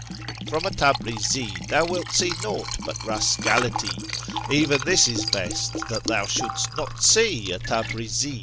''" From a Tabrizi tliou wilt see naught but rascality : Even this is best, that thou shouldst not see a Tabrizi."